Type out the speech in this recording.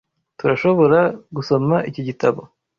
Turashoboragusoma iki gitabo.